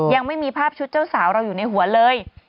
ยังไม่มีภาพชุดเจ้าสาวเราอยู่ในหัวเลย